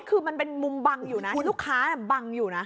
คือมันเป็นมุมบังอยู่นะที่ลูกค้าบังอยู่นะ